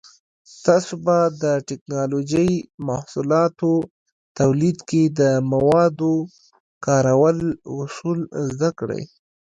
تاسو به د ټېکنالوجۍ محصولاتو تولید کې د موادو کارولو اصول زده کړئ.